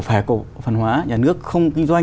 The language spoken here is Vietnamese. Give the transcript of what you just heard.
phẻ phần hóa nhà nước không kinh doanh